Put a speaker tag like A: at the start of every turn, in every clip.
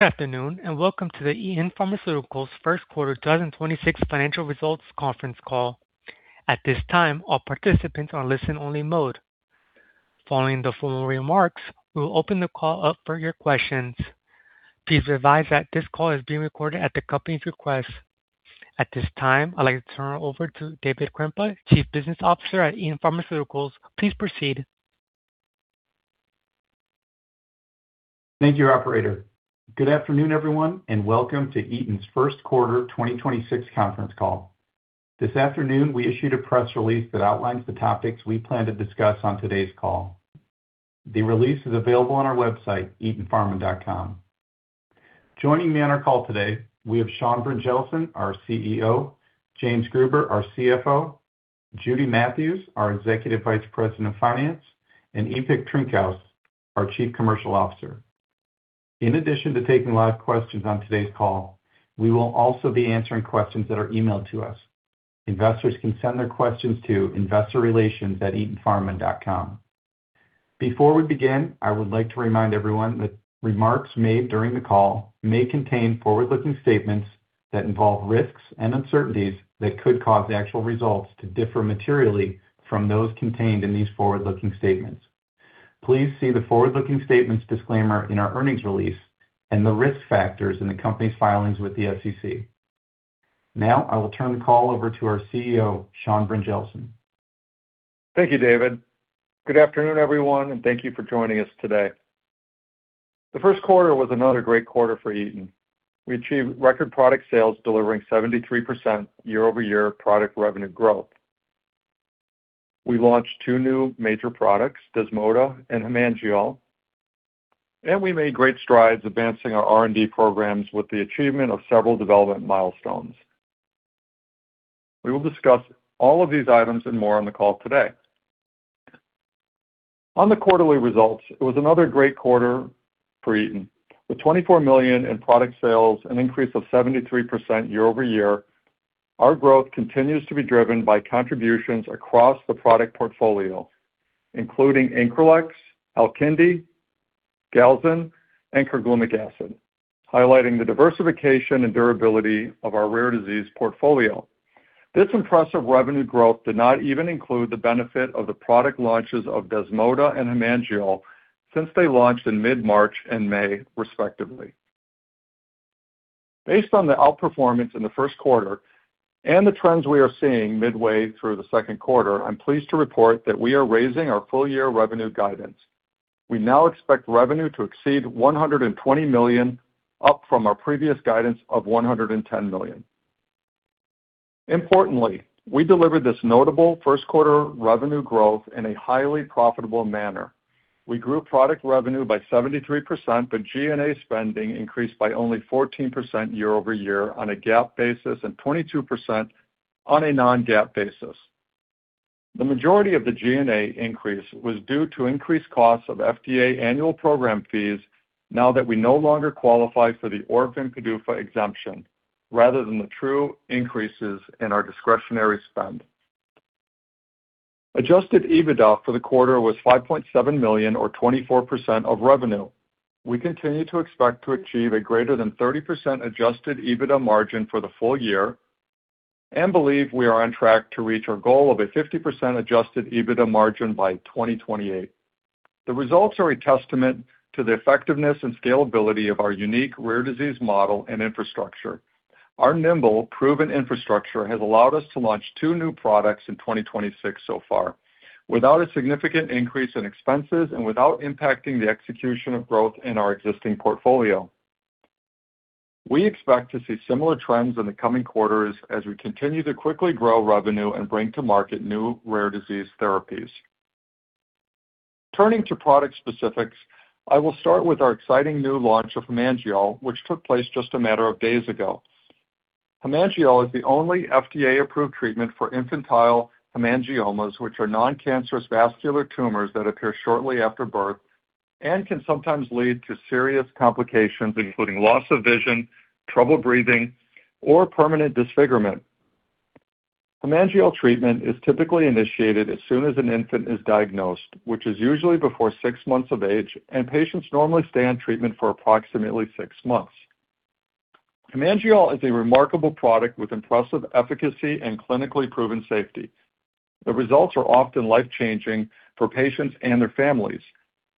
A: Good afternoon, and welcome to the Eton Pharmaceuticals first quarter 2026 financial results conference call. At this time, all participants are listen-only mode. Following the formal remarks, we will open the call up for your questions. Please be advised that this call is being recorded at the company's request. At this time, I'd like to turn it over to David Krempa, Chief Business Officer at Eton Pharmaceuticals. Please proceed.
B: Thank you, operator. Good afternoon, everyone, and welcome to Eton's first quarter 2026 conference call. This afternoon, we issued a press release that outlines the topics we plan to discuss on today's call. The release is available on our website, etonpharma.com. Joining me on our call today we have Sean Brynjelsen, our CEO, James Gruber, our CFO, Judith M. Matthews, our Executive Vice President of Finance, and Ipek Trinkaus, our Chief Commercial Officer. In addition to taking live questions on today's call, we will also be answering questions that are emailed to us. Investors can send their questions to investorrelations@etonpharma.com. Before we begin, I would like to remind everyone that remarks made during the call may contain forward-looking statements that involve risks and uncertainties that could cause actual results to differ materially from those contained in these forward-looking statements. Please see the forward-looking statements disclaimer in our earnings release and the risk factors in the company's filings with the SEC. Now, I will turn the call over to our CEO, Sean Brynjelsen.
C: Thank you, David. Good afternoon, everyone, and thank you for joining us today. The first quarter was another great quarter for Eton. We achieved record product sales, delivering 73% year-over-year product revenue growth. We launched two new major products, DESMODA and HEMANGEOL, and we made great strides advancing our R&D programs with the achievement of several development milestones. We will discuss all of these items and more on the call today. On the quarterly results, it was another great quarter for Eton. With $24 million in product sales, an increase of 73% year-over-year, our growth continues to be driven by contributions across the product portfolio, including INCRELEX, ALKINDI, Galzin, and carglumic acid, highlighting the diversification and durability of our rare disease portfolio. This impressive revenue growth did not even include the benefit of the product launches of DESMODA and HEMANGEOL since they launched in mid-March and May, respectively. Based on the outperformance in the first quarter and the trends we are seeing midway through the second quarter, I'm pleased to report that we are raising our full-year revenue guidance. We now expect revenue to exceed $120 million, up from our previous guidance of $110 million. Importantly, we delivered this notable first quarter revenue growth in a highly profitable manner. We grew product revenue by 73%, but G&A spending increased by only 14% year-over-year on a GAAP basis and 22% on a non-GAAP basis. The majority of the G&A increase was due to increased costs of FDA annual program fees now that we no longer qualify for the Orphan PDUFA exemption rather than the true increases in our discretionary spend. Adjusted EBITDA for the quarter was $5.7 million or 24% of revenue. We continue to expect to achieve a greater than 30% adjusted EBITDA margin for the full year and believe we are on track to reach our goal of a 50% adjusted EBITDA margin by 2028. The results are a testament to the effectiveness and scalability of our unique rare disease model and infrastructure. Our nimble, proven infrastructure has allowed us to launch two new products in 2026 so far without a significant increase in expenses and without impacting the execution of growth in our existing portfolio. We expect to see similar trends in the coming quarters as we continue to quickly grow revenue and bring to market new rare disease therapies. Turning to product specifics, I will start with our exciting new launch of HEMANGEOL, which took place just a matter of days ago. HEMANGEOL is the only FDA-approved treatment for infantile hemangiomas, which are non-cancerous vascular tumors that appear shortly after birth and can sometimes lead to serious complications, including loss of vision, trouble breathing, or permanent disfigurement. HEMANGEOL treatment is typically initiated as soon as an infant is diagnosed, which is usually before 6 months of age, and patients normally stay on treatment for approximately six months. HEMANGEOL is a remarkable product with impressive efficacy and clinically proven safety. The results are often life-changing for patients and their families.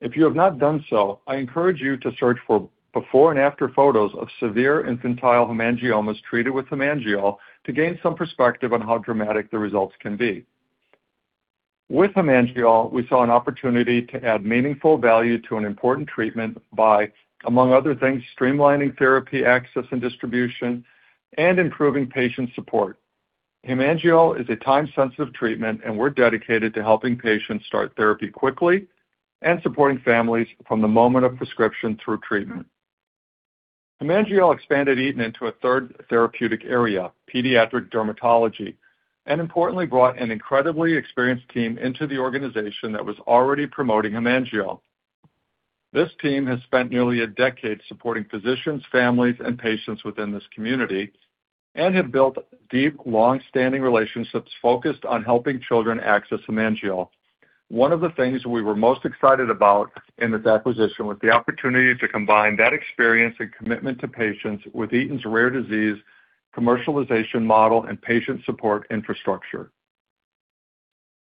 C: If you have not done so, I encourage you to search for before and after photos of severe infantile hemangiomas treated with HEMANGEOL to gain some perspective on how dramatic the results can be. With HEMANGEOL, we saw an opportunity to add meaningful value to an important treatment by, among other things, streamlining therapy access and distribution and improving patient support. HEMANGEOL is a time-sensitive treatment, and we're dedicated to helping patients start therapy quickly and supporting families from the moment of prescription through treatment. HEMANGEOL expanded Eton into a third therapeutic area, pediatric dermatology, and importantly brought an incredibly experienced team into the organization that was already promoting HEMANGEOL. This team has spent nearly a decade supporting physicians, families, and patients within this community and have built deep, long-standing relationships focused on helping children access HEMANGEOL. One of the things we were most excited about in this acquisition was the opportunity to combine that experience and commitment to patients with Eton's rare disease commercialization model and patient support infrastructure.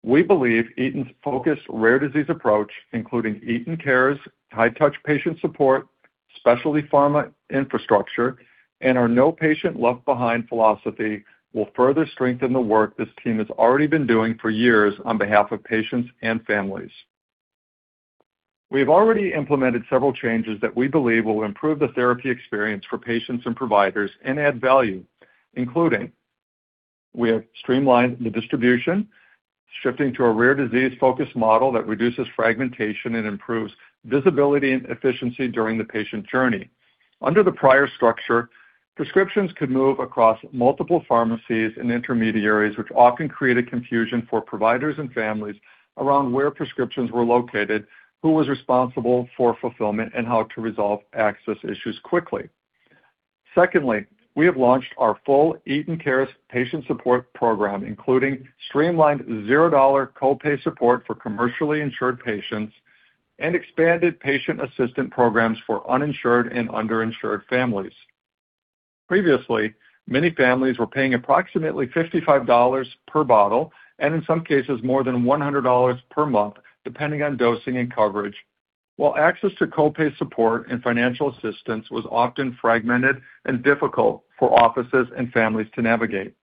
C: We believe Eton's focused rare disease approach, including Eton Cares' high-touch patient support, specialty pharma infrastructure, and our no patient left behind philosophy will further strengthen the work this team has already been doing for years on behalf of patients and families. We have already implemented several changes that we believe will improve the therapy experience for patients and providers and add value, including we have streamlined the distribution, shifting to a rare disease-focused model that reduces fragmentation and improves visibility and efficiency during the patient journey. Under the prior structure, prescriptions could move across multiple pharmacies and intermediaries, which often created confusion for providers and families around where prescriptions were located, who was responsible for fulfillment, and how to resolve access issues quickly. Secondly, we have launched our full Eton Cares patient support program, including streamlined zero-dollar co-pay support for commercially insured patients and expanded patient assistant programs for uninsured and underinsured families. Previously, many families were paying approximately $55 per bottle, and in some cases more than $100 per month, depending on dosing and coverage, while access to co-pay support and financial assistance was often fragmented and difficult for offices and families to navigate.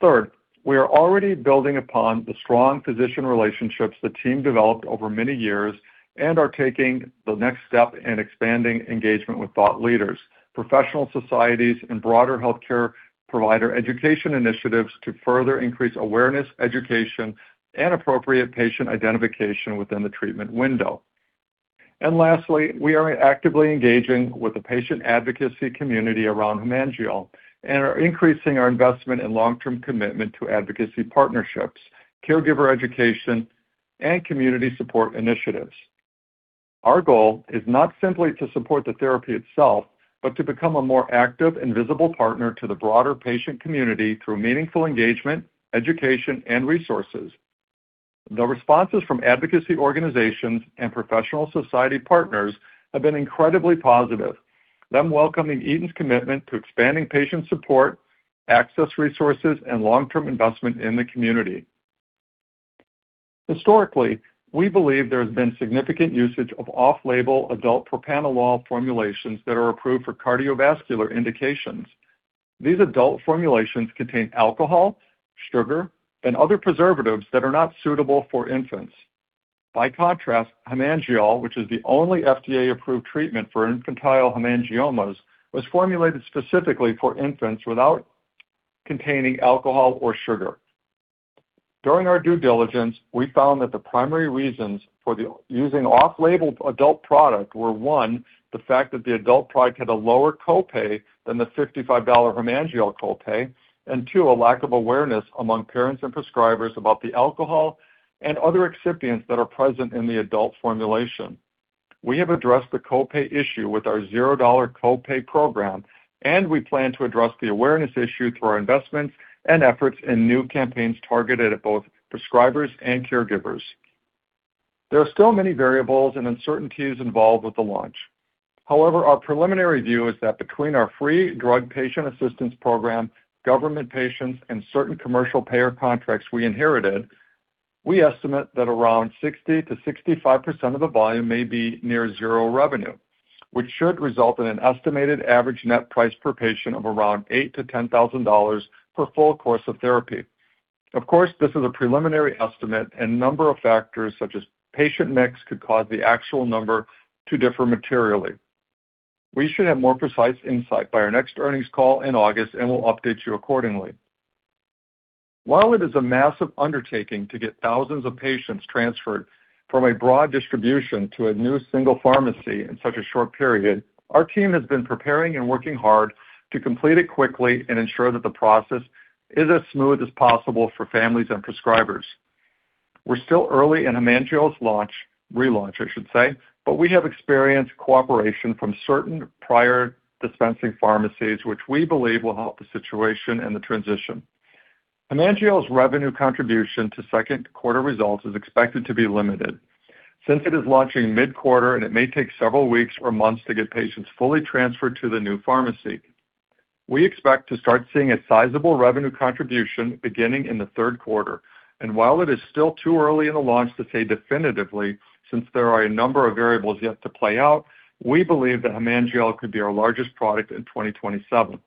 C: Third, we are already building upon the strong physician relationships the team developed over many years and are taking the next step in expanding engagement with thought leaders, professional societies, and broader healthcare provider education initiatives to further increase awareness, education, and appropriate patient identification within the treatment window. Lastly, we are actively engaging with the patient advocacy community around HEMANGEOL and are increasing our investment and long-term commitment to advocacy partnerships, caregiver education, and community support initiatives. Our goal is not simply to support the therapy itself, but to become a more active and visible partner to the broader patient community through meaningful engagement, education, and resources. The responses from advocacy organizations and professional society partners have been incredibly positive, them welcoming Eton's commitment to expanding patient support, access resources, and long-term investment in the community. Historically, we believe there has been significant usage of off-label adult propranolol formulations that are approved for cardiovascular indications. These adult formulations contain alcohol, sugar, and other preservatives that are not suitable for infants. By contrast, HEMANGEOL, which is the only FDA-approved treatment for infantile hemangiomas, was formulated specifically for infants without containing alcohol or sugar. During our due diligence, we found that the primary reasons for using off-label adult product were, one, the fact that the adult product had a lower co-pay than the $55 HEMANGEOL co-pay, and two, a lack of awareness among parents and prescribers about the alcohol and other excipients that are present in the adult formulation. We have addressed the co-pay issue with our $0 co-pay program. We plan to address the awareness issue through our investments and efforts in new campaigns targeted at both prescribers and caregivers. There are still many variables and uncertainties involved with the launch. Our preliminary view is that between our free drug patient assistance program, government patients, and certain commercial payer contracts we inherited, we estimate that around 60%-65% of the volume may be near zero revenue, which should result in an estimated average net price per patient of around $8,000-$10,000 for full course of therapy. This is a preliminary estimate, and a number of factors, such as patient mix, could cause the actual number to differ materially. We should have more precise insight by our next earnings call in August, and we'll update you accordingly. While it is a massive undertaking to get thousands of patients transferred from a broad distribution to a new single pharmacy in such a short period, our team has been preparing and working hard to complete it quickly and ensure that the process is as smooth as possible for families and prescribers. We're still early in HEMANGEOL's launch, relaunch, I should say, but we have experienced cooperation from certain prior dispensing pharmacies, which we believe will help the situation and the transition. HEMANGEOL's revenue contribution to second quarter results is expected to be limited. Since it is launching mid-quarter and it may take several weeks or months to get patients fully transferred to the new pharmacy, we expect to start seeing a sizable revenue contribution beginning in the third quarter. While it is still too early in the launch to say definitively, since there are a number of variables yet to play out, we believe that HEMANGEOL could be our largest product in 2027.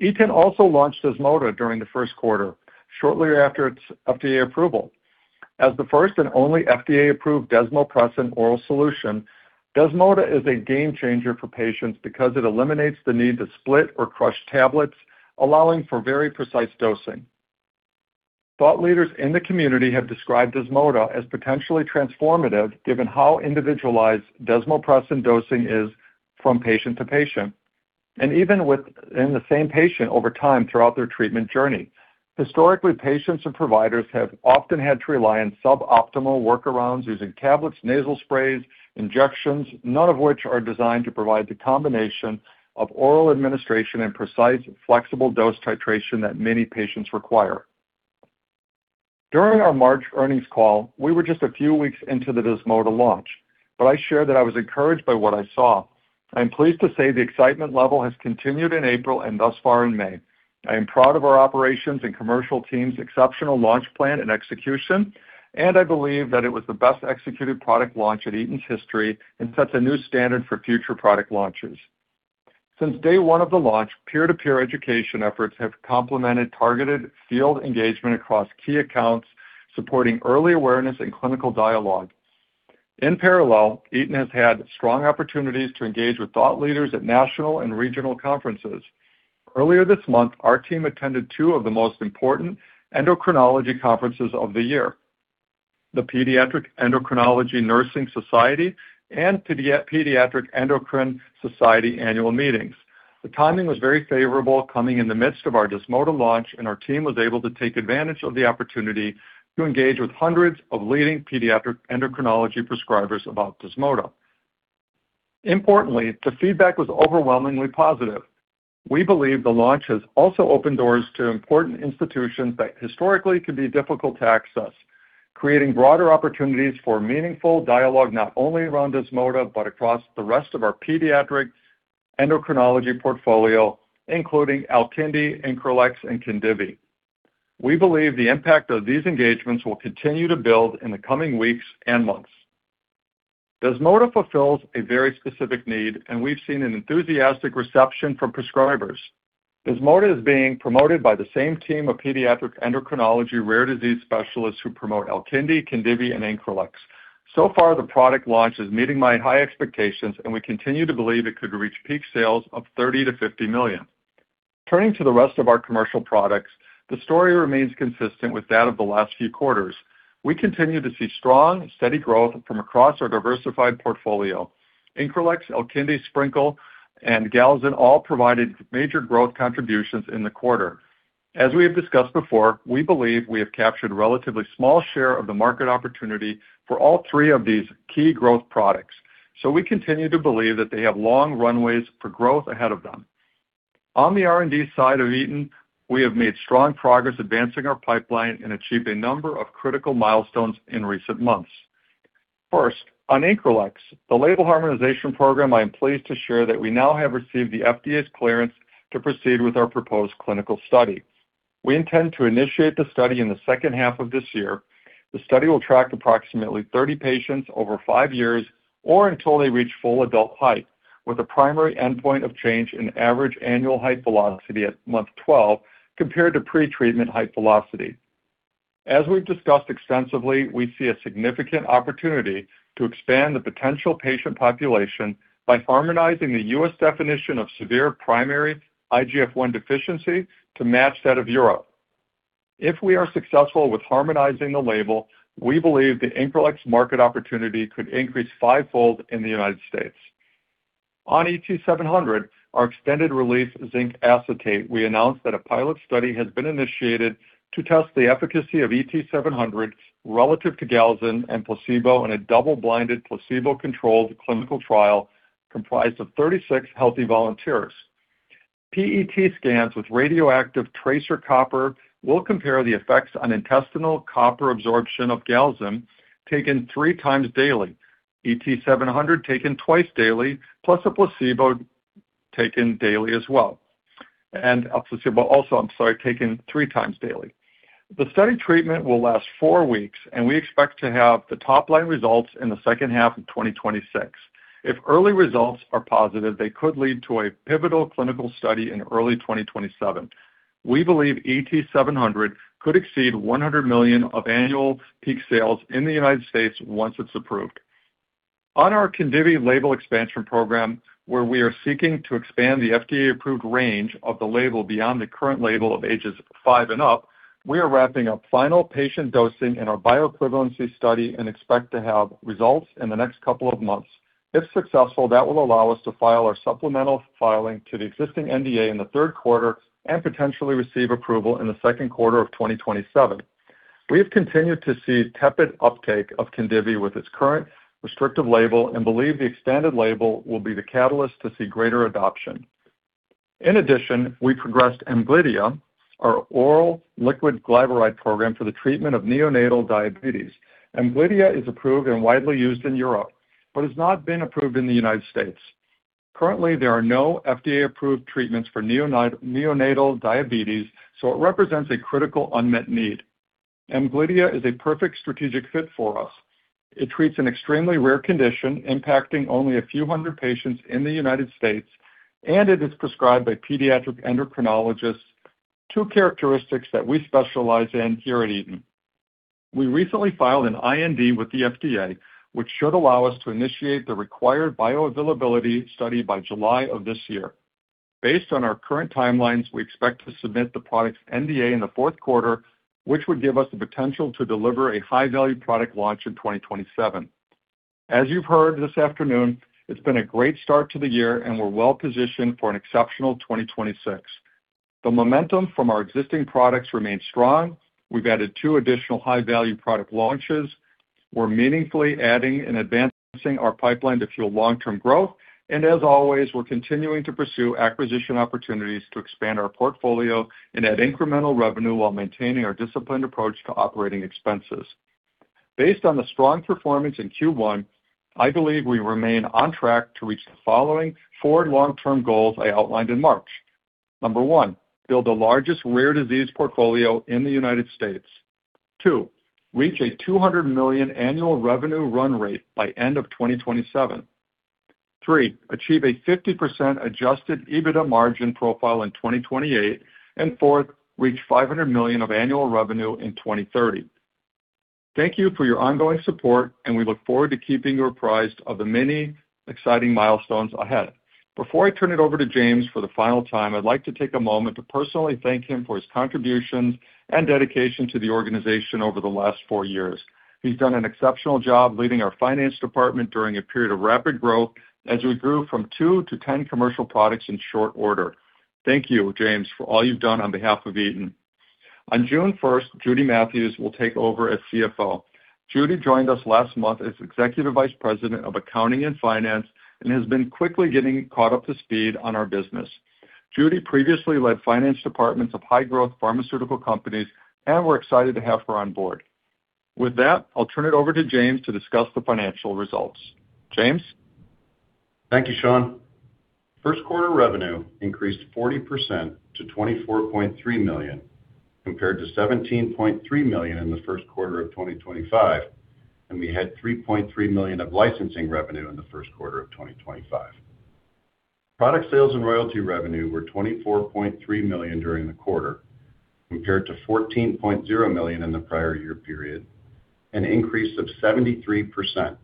C: Eton also launched DESMODA during the 1st quarter, shortly after its FDA approval. As the 1st and only FDA-approved desmopressin oral solution, DESMODA is a game-changer for patients because it eliminates the need to split or crush tablets, allowing for very precise dosing. Thought leaders in the community have described DESMODA as potentially transformative, given how individualized desmopressin dosing is from patient to patient, and even within the same patient over time throughout their treatment journey. Historically, patients and providers have often had to rely on suboptimal workarounds using tablets, nasal sprays, injections, none of which are designed to provide the combination of oral administration and precise, flexible dose titration that many patients require. During our March earnings call, we were just a few weeks into the DESMODA launch, I shared that I was encouraged by what I saw. I am pleased to say the excitement level has continued in April and thus far in May. I am proud of our operations and commercial team's exceptional launch plan and execution, I believe that it was the best-executed product launch in Eton's history and sets a new standard for future product launches. Since day one of the launch, peer-to-peer education efforts have complemented targeted field engagement across key accounts, supporting early awareness and clinical dialogue. Eton has had strong opportunities to engage with thought leaders at national and regional conferences. Earlier this month, our team attended two of the most important endocrinology conferences of the year, the Pediatric Endocrinology Nursing Society and Pediatric Endocrine Society annual meetings. The timing was very favorable coming in the midst of our DESMODA launch. Our team was able to take advantage of the opportunity to engage with hundreds of leading pediatric endocrinology prescribers about DESMODA. Importantly, the feedback was overwhelmingly positive. We believe the launch has also opened doors to important institutions that historically can be difficult to access, creating broader opportunities for meaningful dialogue, not only around DESMODA, but across the rest of our pediatric endocrinology portfolio, including ALKINDI, INCRELEX, and KHINDIVI. We believe the impact of these engagements will continue to build in the coming weeks and months. DESMODA fulfills a very specific need, and we've seen an enthusiastic reception from prescribers. DESMODA is being promoted by the same team of pediatric endocrinology rare disease specialists who promote Alkindi, KHINDIVI, and INCRELEX. So far, the product launch is meeting my high expectations, and we continue to believe it could reach peak sales of $30 million-$50 million. Turning to the rest of our commercial products, the story remains consistent with that of the last few quarters. We continue to see strong, steady growth from across our diversified portfolio. INCRELEX, ALKINDI SPRINKLE, and Galzin all provided major growth contributions in the quarter. As we have discussed before, we believe we have captured relatively small share of the market opportunity for all three of these key growth products. We continue to believe that they have long runways for growth ahead of them. On the R&D side of Eton, we have made strong progress advancing our pipeline and achieved a number of critical milestones in recent months. First, on INCRELEX, the label harmonization program, I am pleased to share that we now have received the FDA's clearance to proceed with our proposed clinical study. We intend to initiate the study in the second half of this year. The study will track approximately 30 patients over five years or until they reach full adult height, with a primary endpoint of change in average annual height velocity at month 12 compared to pretreatment height velocity. As we've discussed extensively, we see a significant opportunity to expand the potential patient population by harmonizing the U.S. definition of severe primary IGF-I deficiency to match that of Europe. If we are successful with harmonizing the label, we believe the INCRELEX market opportunity could increase five-fold in the U.S. On ET-700, our extended-release zinc acetate, we announced that a pilot study has been initiated to test the efficacy of ET-700 relative to Galzin and placebo in a double-blinded, placebo-controlled clinical trial comprised of 36 healthy volunteers. PET scans with radioactive tracer copper will compare the effects on intestinal copper absorption of Galzin taken three times daily, ET-700 taken twice daily, plus a placebo taken daily as well. A placebo also, I'm sorry, taken three times daily. The study treatment will last four weeks, and we expect to have the top-line results in the second half of 2026. If early results are positive, they could lead to a pivotal clinical study in early 2027. We believe ET-700 could exceed $100 million of annual peak sales in the U.S. once it's approved. On our KHINDIVI label expansion program, where we are seeking to expand the FDA-approved range of the label beyond the current label of ages five and up, we are wrapping up final patient dosing in our bioequivalence study and expect to have results in the next couple of months. If successful, that will allow us to file our supplemental filing to the existing NDA in the 3rd quarter and potentially receive approval in the 2nd quarter of 2027. We have continued to see tepid uptake of KHINDIVI with its current restrictive label and believe the extended label will be the catalyst to see greater adoption. In addition, we progressed Amglidia, our oral liquid glyburide program for the treatment of neonatal diabetes. Amglidia is approved and widely used in Europe, it's not been approved in the U.S. Currently, there are no FDA-approved treatments for neonatal diabetes, it represents a critical unmet need. Amglidia is a perfect strategic fit for us. It treats an extremely rare condition impacting only a few hundred patients in the U.S., it is prescribed by pediatric endocrinologists, two characteristics that we specialize in here at Eton. We recently filed an IND with the FDA, which should allow us to initiate the required bioavailability study by July of this year. Based on our current timelines, we expect to submit the product's NDA in the fourth quarter, which would give us the potential to deliver a high-value product launch in 2027. As you've heard this afternoon, it's been a great start to the year, we're well-positioned for an exceptional 2026. The momentum from our existing products remains strong. We've added two additional high-value product launches. We're meaningfully adding and advancing our pipeline to fuel long-term growth. As always, we're continuing to pursue acquisition opportunities to expand our portfolio and add incremental revenue while maintaining our disciplined approach to operating expenses. Based on the strong performance in Q1, I believe we remain on track to reach the following four long-term goals I outlined in March. Number one, build the largest rare disease portfolio in the United States. Two, reach a $200 million annual revenue run rate by end of 2027. Three, achieve a 50% adjusted EBITDA margin profile in 2028. Fourth, reach $500 million of annual revenue in 2030. Thank you for your ongoing support, and we look forward to keeping you apprised of the many exciting milestones ahead. Before I turn it over to James for the final time, I'd like to take a moment to personally thank him for his contributions and dedication to the organization over the last four years. He's done an exceptional job leading our finance department during a period of rapid growth as we grew from 2 to 10 commercial products in short order. Thank you, James, for all you've done on behalf of Eton. On June 1, Judy Matthews will take over as CFO. Judy joined us last month as Executive Vice President, Accounting and Finance and has been quickly getting caught up to speed on our business. Judy previously led finance departments of high-growth pharmaceutical companies. We're excited to have her on board. With that, I'll turn it over to James to discuss the financial results. James?
D: Thank you, Sean. First quarter revenue increased 40% to $24.3 million, compared to $17.3 million in the first quarter of 2025, and we had $3.3 million of licensing revenue in the first quarter of 2025. Product sales and royalty revenue were $24.3 million during the quarter, compared to $14.0 million in the prior year period, an increase of 73%,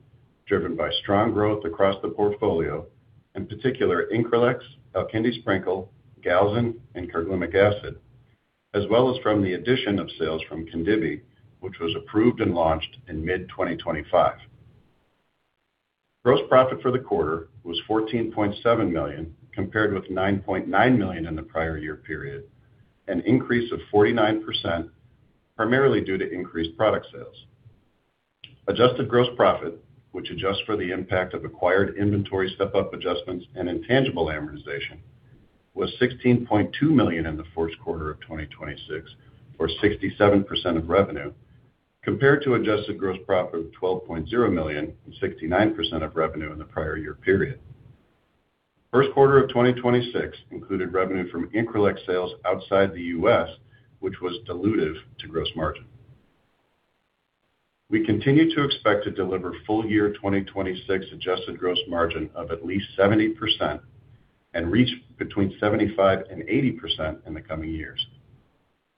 D: driven by strong growth across the portfolio, in particular INCRELEX, ALKINDI SPRINKLE, Galzin, and carglumic acid, as well as from the addition of sales from KHINDIVI, which was approved and launched in mid-2025. Gross profit for the quarter was $14.7 million, compared with $9.9 million in the prior year period, an increase of 49%, primarily due to increased product sales. Adjusted gross profit, which adjusts for the impact of acquired inventory step-up adjustments and intangible amortization, was $16.2 million in the first quarter of 2026, or 67% of revenue, compared to adjusted gross profit of $12.0 million and 69% of revenue in the prior year period. First quarter of 2026 included revenue from INCRELEX sales outside the U.S., which was dilutive to gross margin. We continue to expect to deliver full year 2026 adjusted gross margin of at least 70% and reach between 75% and 80% in the coming years.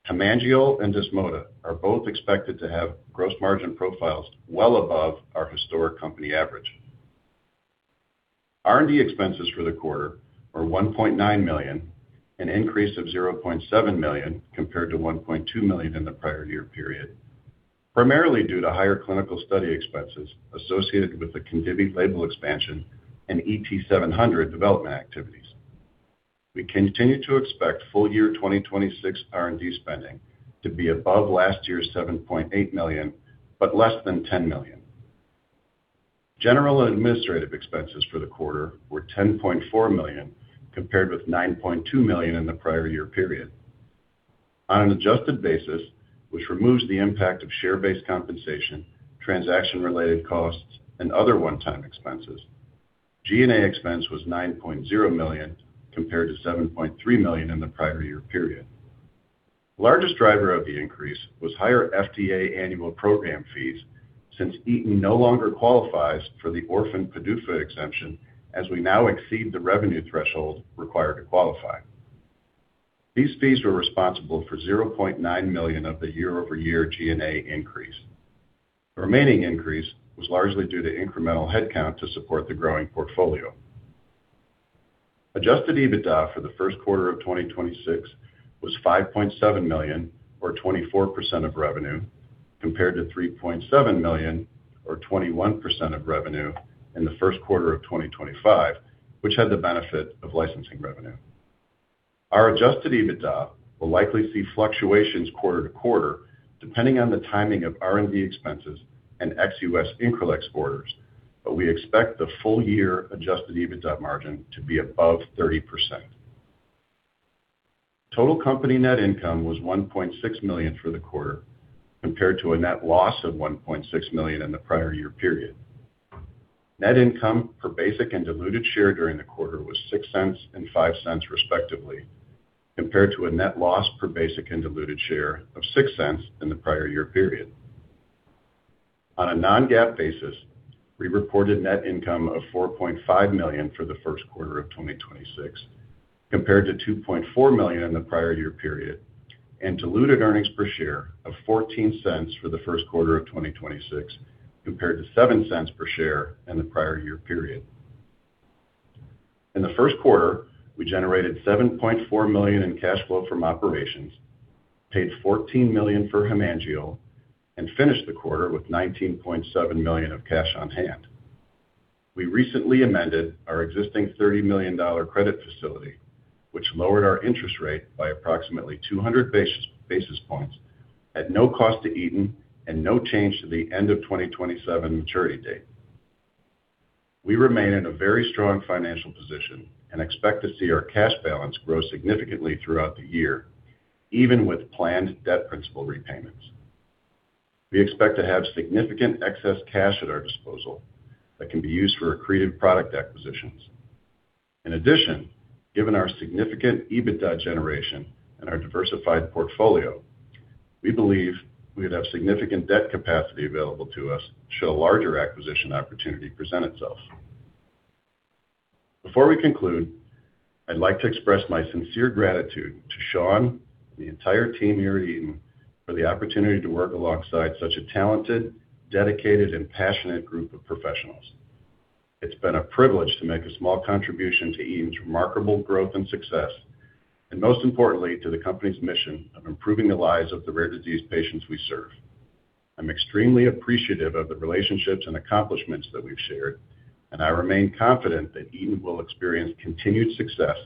D: HEMANGEOL and DESMODA are both expected to have gross margin profiles well above our historic company average. R&D expenses for the quarter are $1.9 million, an increase of $0.7 million compared to $1.2 million in the prior year period, primarily due to higher clinical study expenses associated with the KHINDIVI label expansion and ET-700 development activities. We continue to expect full year 2026 R&D spending to be above last year's $7.8 million, but less than $10 million. General and administrative expenses for the quarter were $10.4 million, compared with $9.2 million in the prior year period. On an adjusted basis, which removes the impact of share-based compensation, transaction-related costs, and other one-time expenses, G&A expense was $9.0 million compared to $7.3 million in the prior year period. The largest driver of the increase was higher FDA annual program fees since Eton no longer qualifies for the Orphan PDUFA exemption as we now exceed the revenue threshold required to qualify. These fees were responsible for $0.9 million of the year-over-year G&A increase. The remaining increase was largely due to incremental headcount to support the growing portfolio. Adjusted EBITDA for the first quarter of 2026 was $5.7 million or 24% of revenue, compared to $3.7 million or 21% of revenue in the first quarter of 2025, which had the benefit of licensing revenue. Our Adjusted EBITDA will likely see fluctuations quarter-to-quarter, depending on the timing of R&D expenses and ex-U.S. INCRELEX orders, but we expect the full year Adjusted EBITDA margin to be above 30%. Total company net income was $1.6 million for the quarter, compared to a net loss of $1.6 million in the prior year period. Net income per basic and diluted share during the quarter was $0.06 and $0.05 respectively, compared to a net loss per basic and diluted share of $0.06 in the prior year period. On a non-GAAP basis, we reported net income of $4.5 million for the first quarter of 2026, compared to $2.4 million in the prior year period, and diluted earnings per share of $0.14 for the first quarter of 2026, compared to $0.07 per share in the prior year period. In the first quarter, we generated $7.4 million in cash flow from operations, paid $14 million for HEMANGEOL, and finished the quarter with $19.7 million of cash on hand. We recently amended our existing $30 million credit facility, which lowered our interest rate by approximately 200 basis points at no cost to Eton and no change to the end of 2027 maturity date. We remain in a very strong financial position and expect to see our cash balance grow significantly throughout the year, even with planned debt principal repayments. We expect to have significant excess cash at our disposal that can be used for accretive product acquisitions. Given our significant EBITDA generation and our diversified portfolio, we believe we'd have significant debt capacity available to us should a larger acquisition opportunity present itself. Before we conclude, I'd like to express my sincere gratitude to Sean and the entire team here at Eton for the opportunity to work alongside such a talented, dedicated and passionate group of professionals. It's been a privilege to make a small contribution to Eton's remarkable growth and success, and most importantly, to the company's mission of improving the lives of the rare disease patients we serve. I'm extremely appreciative of the relationships and accomplishments that we've shared, and I remain confident that Eton will experience continued success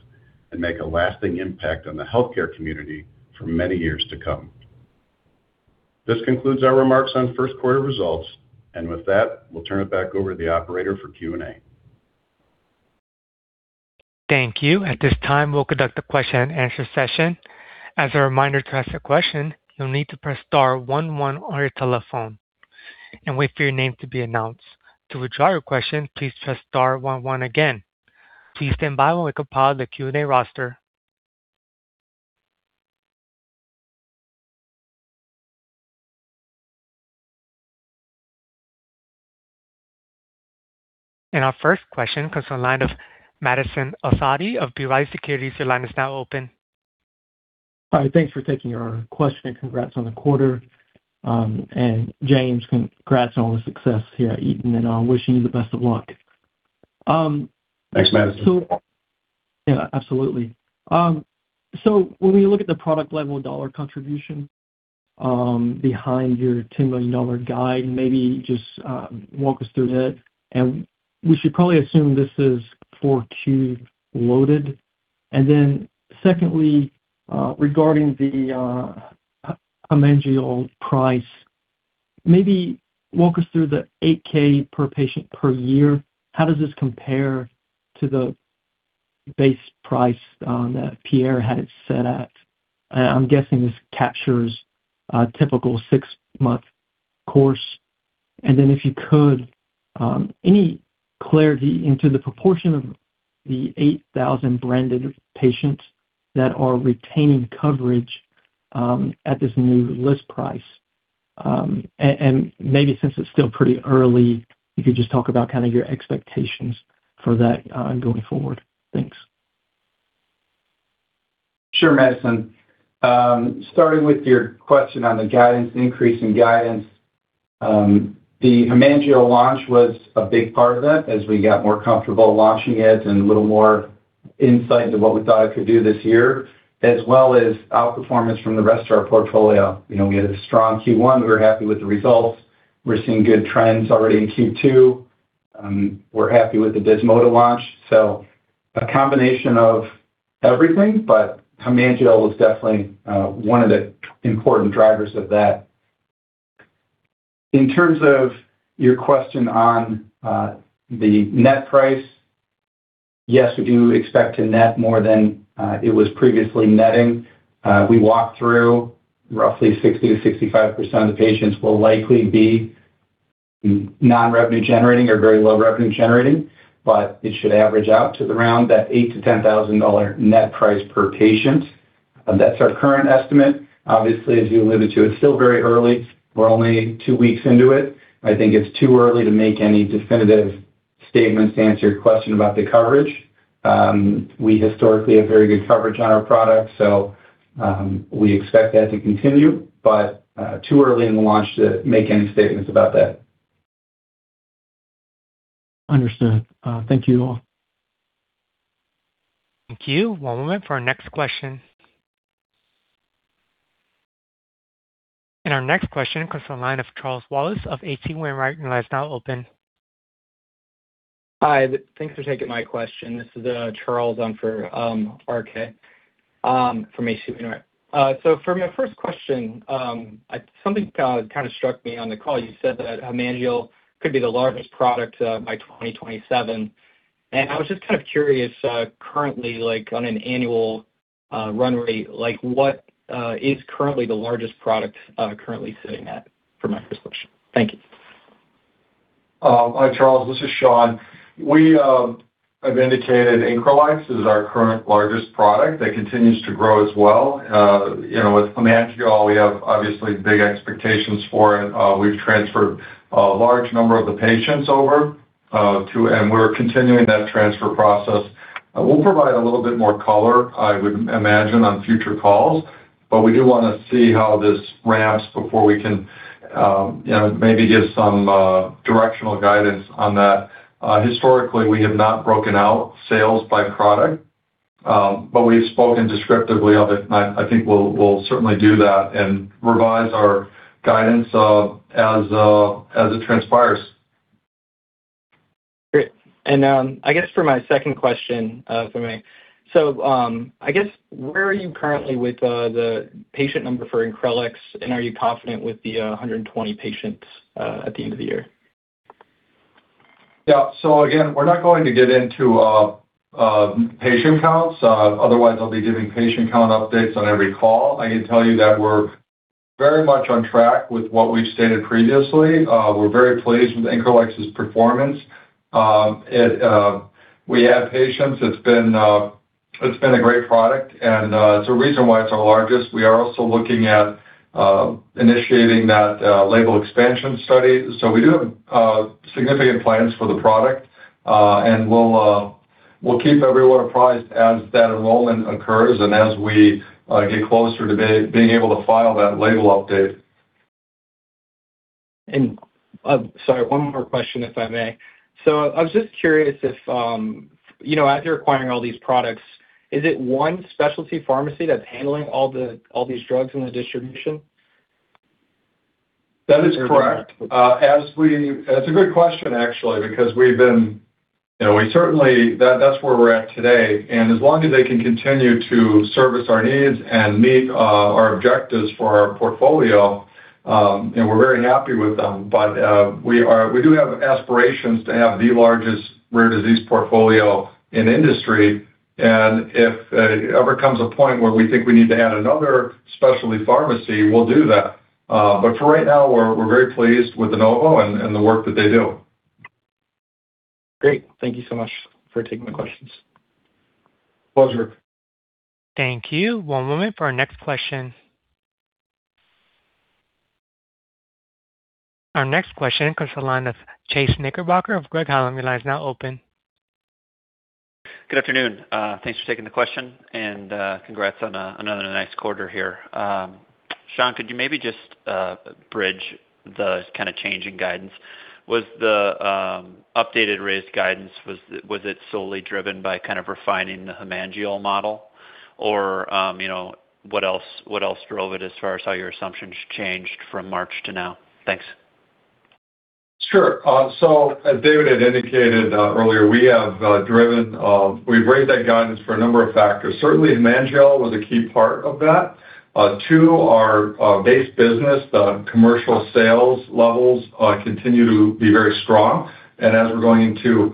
D: and make a lasting impact on the healthcare community for many years to come. This concludes our remarks on first quarter results, and with that, we'll turn it back over to the operator for Q&A.
A: Thank you. At this time, we'll conduct a question and answer session. As a reminder, to ask a question, you'll need to press star one one on your telephone and wait for your name to be announced. To withdraw your question, please press star one one again. Please stand by while we compile the Q&A roster. Our first question comes from the line of Madison El-Saadi of B. Riley Securities. Your line is now open.
E: All right. Thanks for taking our question, and congrats on the quarter. James, congrats on all the success here at Eton, and wishing you the best of luck.
D: Thanks, Madison.
E: Yeah, absolutely. When we look at the product level dollar contribution, behind your $10 million guide, maybe just walk us through that. We should probably assume this is 4Q loaded. Secondly, regarding the HEMANGEOL price, maybe walk us through the $8K per patient per year. How does this compare to the base price that Pierre had it set at? I'm guessing this captures a typical six-month course. If you could, any clarity into the proportion of the 8,000 branded patients that are retaining coverage at this new list price. Maybe since it's still pretty early, you could just talk about kind of your expectations for that going forward. Thanks.
B: Sure, Madison. Starting with your question on the guidance, increase in guidance, the HEMANGEOL launch was a big part of that as we got more comfortable launching it and a little more insight to what we thought it could do this year, as well as outperformance from the rest of our portfolio. You know, we had a strong Q1. We were happy with the results. We're seeing good trends already in Q2. We're happy with the DESMODA launch. A combination of everything, but HEMANGEOL was definitely one of the important drivers of that. In terms of your question on the net price, yes, we do expect to net more than it was previously netting. We walked through roughly 60%-65% of the patients will likely be non-revenue generating or very low revenue generating, but it should average out to around that $8,000-$10,000 net price per patient. That's our current estimate. Obviously, as you alluded to, it's still very early. We're only two weeks into it. I think it's too early to make any definitive statements to answer your question about the coverage. We historically have very good coverage on our products, so we expect that to continue. Too early in the launch to make any statements about that.
E: Understood. Thank you all.
A: Thank you. One moment for our next question. Our next question comes from the line of Charles Wallace of H.C. Wainwright, your line is now open.
F: Hi. Thanks for taking my question. This is Charles. I'm for RK from H.C. Wainwright. For my first question, something kind of struck me on the call. You said that HEMANGEOL could be the largest product by 2027. I was just kind of curious, currently, like on an annual run rate, like what is currently the largest product currently sitting at? For my first question. Thank you.
C: Hi, Charles, this is Sean. We have indicated ALKINDI SPRINKLE is our current largest product. That continues to grow as well. You know, with HEMANGEOL, we have obviously big expectations for it. We've transferred a large number of the patients over, too, and we're continuing that transfer process. We'll provide a little bit more color, I would imagine, on future calls, but we do wanna see how this ramps before we can, you know, maybe give some directional guidance on that. Historically, we have not broken out sales by product. We've spoken descriptively of it, and I think we'll certainly do that and revise our guidance, as it transpires.
F: Great. For my second question, if I may. Where are you currently with the patient number for INCRELEX, and are you confident with the 120 patients at the end of the year?
C: Again, we're not going to get into patient counts, otherwise I'll be giving patient count updates on every call. I can tell you that we're very much on track with what we've stated previously. We're very pleased with INCRELEX's performance. We add patients. It's been a great product, and it's a reason why it's our largest. We are also looking at initiating that label expansion study. We do have significant plans for the product, and we'll keep everyone apprised as that enrollment occurs and as we get closer to being able to file that label update.
F: Sorry, one more question, if I may. I was just curious if, you know, after acquiring all these products, is it one specialty pharmacy that's handling all these drugs in the distribution?
C: That is correct. That's a good question, actually, because we've been You know, we certainly that's where we're at today. As long as they can continue to service our needs and meet our objectives for our portfolio, we're very happy with them. We are, we do have aspirations to have the largest rare disease portfolio in industry. If it ever comes a point where we think we need to add another specialty pharmacy, we'll do that. For right now we're very pleased with Anovo and the work that they do.
F: Great. Thank you so much for taking the questions.
C: Pleasure.
A: Thank you. One moment for our next question. Our next question comes the line of Chase Knickerbocker of Craig-Hallum. Your line is now open.
G: Good afternoon. Thanks for taking the question, and congrats on another nice quarter here. Sean, could you maybe just bridge the kind of change in guidance? Was the updated raised guidance, was it solely driven by kind of refining the HEMANGEOL model or, you know, what else, what else drove it as far as how your assumptions changed from March to now? Thanks.
C: Sure. As David had indicated earlier, we have driven, we've raised that guidance for a number of factors. Certainly, HEMANGEOL was a key part of that. Two, our base business, the commercial sales levels, continue to be very strong. As we're going into, you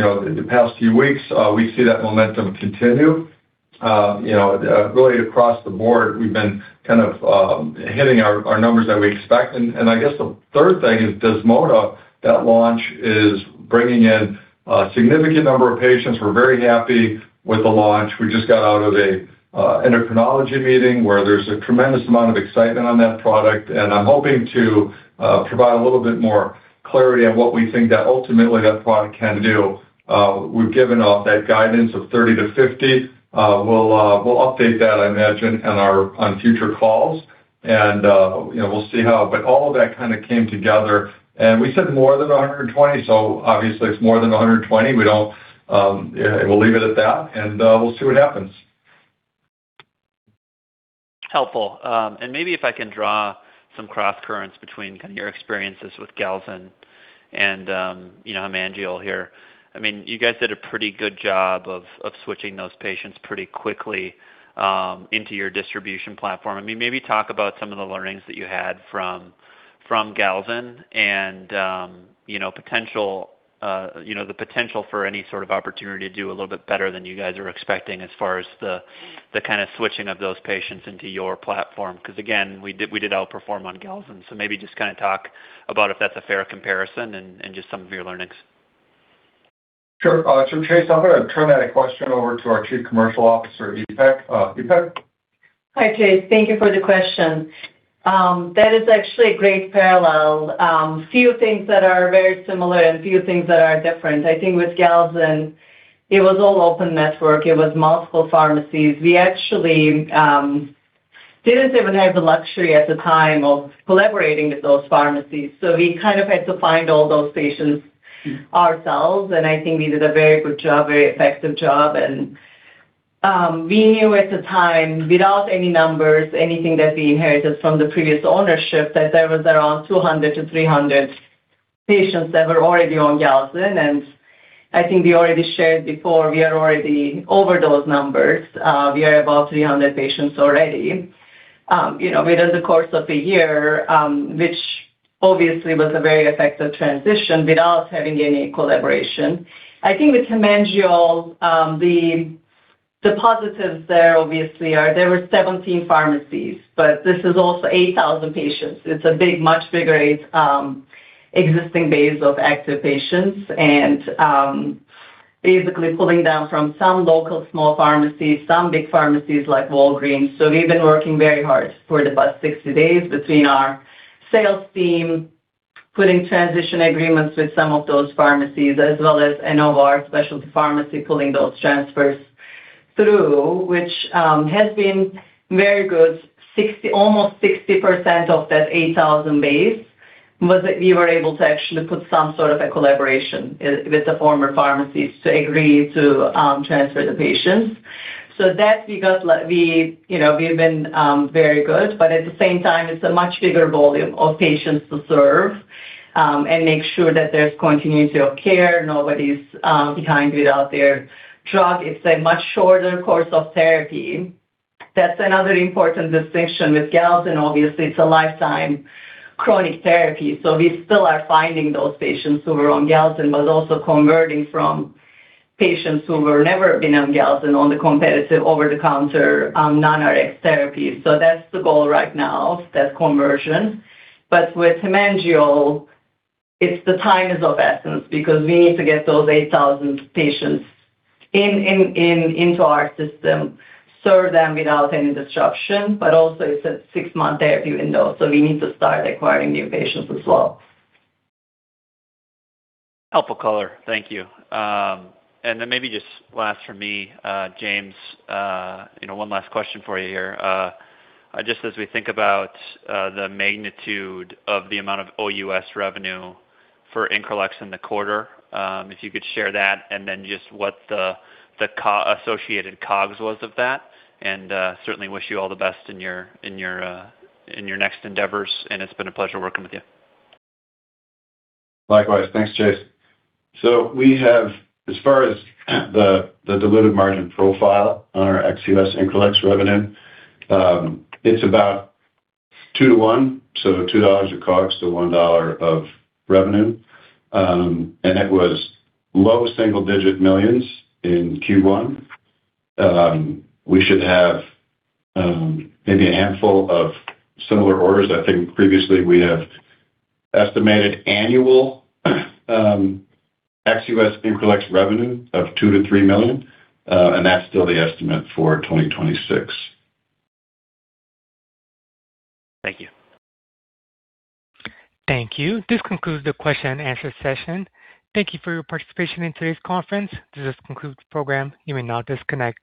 C: know, the past few weeks, we see that momentum continue. You know, really across the board, we've been kind of hitting our numbers that we expect. I guess the third thing is DESMODA, that launch is bringing in a significant number of patients. We're very happy with the launch. We just got out of an endocrinology meeting where there's a tremendous amount of excitement on that product, and I'm hoping to provide a little bit more clarity on what we think that ultimately that product can do. We've given out that guidance of 30 to 50. We'll, we'll update that, I imagine, on our, on future calls and, you know, we'll see how. All of that kinda came together. We said more than 120, obviously it's more than 120. We'll leave it at that, and, we'll see what happens.
G: Helpful. maybe if I can draw some crosscurrents between kind of your experiences with Galzin and, you know, HEMANGEOL here. You guys did a pretty good job of switching those patients pretty quickly into your distribution platform. maybe talk about some of the learnings that you had from Galzin and, you know, potential, you know, the potential for any sort of opportunity to do a little bit better than you guys are expecting as far as kind of switching of those patients into your platform. Because again, we outperform on Galzin. maybe just kind of talk about if that's a fair comparison and just some of your learnings.
C: Sure. Chase, I'm gonna turn that question over to our Chief Commercial Officer, Ipek. Ipek?
H: Hi, Chase. Thank you for the question. That is actually a great parallel. Few things that are very similar and few things that are different. I think with Galzin, it was all open network. It was multiple pharmacies. We actually didn't even have the luxury at the time of collaborating with those pharmacies, so we kind of had to find all those patients ourselves, and I think we did a very good job, very effective job. We knew at the time, without any numbers, anything that we inherited from the previous ownership, that there was around 200 to 300 patients that were already on Galzin. I think we already shared before, we are already over those numbers. We are about 300 patients already, you know, within the course of a year, which obviously was a very effective transition without having any collaboration. I think with HEMANGEOL, the positives there obviously are there were 17 pharmacies, this is also 8,000 patients. It's a big, much bigger, existing base of active patients. Basically pulling down from some local small pharmacies, some big pharmacies like Walgreens. We've been working very hard for about 60 days between our sales team putting transition agreements with some of those pharmacies, as well as Anovo Specialty Pharmacy pulling those transfers through, which has been very good. Almost 60% of that 8,000 base was that we were able to actually put some sort of a collaboration with the former pharmacies to agree to transfer the patients. That's because like we, you know, we've been very good, but at the same time it's a much bigger volume of patients to serve and make sure that there's continuity of care. Nobody's behind without their drug. It's a much shorter course of therapy. That's another important distinction. With Galzin, obviously, it's a lifetime chronic therapy, so we still are finding those patients who were on Galzin, but also converting from patients who were never been on Galzin on the competitive over-the-counter non-RX therapies. That's the goal right now, that conversion. With HEMANGEOL, it's the time is of essence because we need to get those 8,000 patients into our system, serve them without any disruption, but also it's a six-month therapy window, so we need to start acquiring new patients as well.
G: Helpful color. Thank you. Then maybe just last from me, James, you know, one last question for you here. Just as we think about the magnitude of the amount of OUS revenue for INCRELEX in the quarter, if you could share that and then just what the associated COGS was of that. Certainly wish you all the best in your next endeavors, and it's been a pleasure working with you.
D: Likewise. Thanks, Chase. We have, as far as the diluted margin profile on our ex-U.S. INCRELEX revenue, it's about 2 to 1, so $2 of COGS to $1 of revenue. It was low single-digit millions in Q1. We should have maybe a handful of similar orders. I think previously we have estimated annual ex-U.S. INCRELEX revenue of $2 million-$3 million, that's still the estimate for 2026.
G: Thank you.
A: Thank you. This concludes the question and answer session. Thank you for your participation in today's conference. This concludes the program. You may now disconnect.